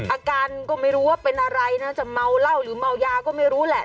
อาการก็ไม่รู้ว่าเป็นอะไรนะจะเมาเหล้าหรือเมายาก็ไม่รู้แหละ